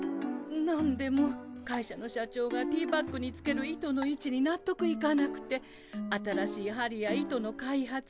なんでも会社の社長がティーバッグにつける糸のいちになっとくいかなくて新しいはりや糸の開発